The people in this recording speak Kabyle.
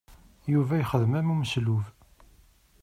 Yuba yexdem am umeslub.